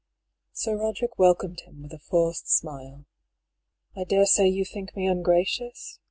Sir Boderick welcomed him with a forced smile. " I daresay you think me ungracious